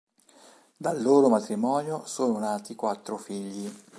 Dal loro matrimonio sono nati quattro figli.